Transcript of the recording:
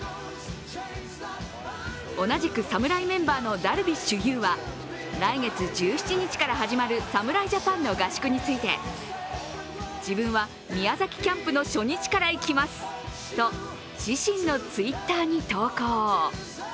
同じく侍メンバーのダルビッシュ有は、来月１７日から始まる侍ジャパンの合宿について「自分は宮崎キャンプの初日から行きます」と自身のＴｗｉｔｔｅｒに投稿。